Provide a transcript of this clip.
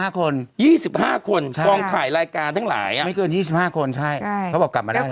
กองข่ายรายการทั้งหลายอ่ะไม่เกิน๒๕คนใช่เขาบอกกลับมาได้แล้ว